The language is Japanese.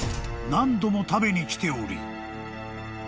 何度も食べに来ており］